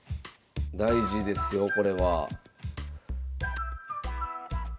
大事ですよこれは。